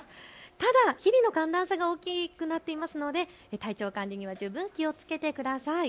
ただ日々の寒暖差が大きくなっていますので体調管理には十分気をつけてください。